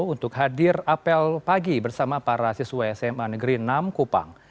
untuk hadir apel pagi bersama para siswa sma negeri enam kupang